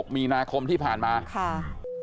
มีนาคมที่ผ่านมาค่ะ